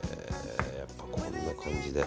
やっぱ、こんな感じで。